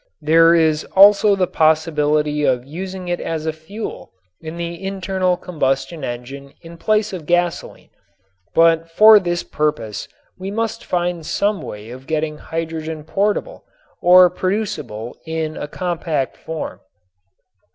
There is also the possibility of using it as a fuel in the internal combustion engine in place of gasoline, but for this purpose we must find some way of getting hydrogen portable or producible in a compact form.